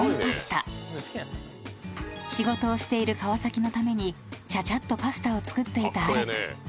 ［仕事をしている川崎のためにちゃちゃっとパスタを作っていたアレク］